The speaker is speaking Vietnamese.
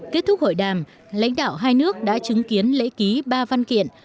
kết thúc hội đàm lãnh đạo hai nước đã chứng kiến lễ ký ba văn kiện